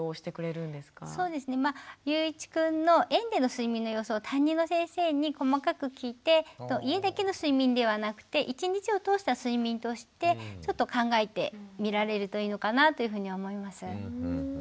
ゆういちくんの園での睡眠の様子を担任の先生に細かく聞いて家だけの睡眠ではなくて１日を通した睡眠としてちょっと考えてみられるといいのかなというふうには思います。